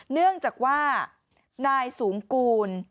เนื่องจากว่านายสูงกูล